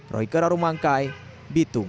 roy kerarumangkai bitung